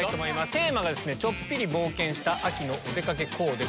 テーマがちょっぴり冒険した秋のお出かけコーデ。